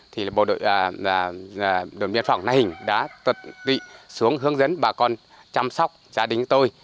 thì bộ đội biên phòng nga hình đã tự tị xuống hướng dẫn bà con chăm sóc gia đình tôi